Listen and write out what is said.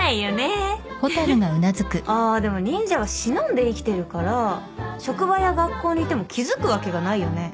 あでも忍者は忍んで生きてるから職場や学校にいても気付くわけがないよね。